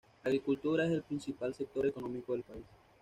La agricultura es el principal sector económico del país.